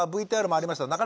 ＶＴＲもありました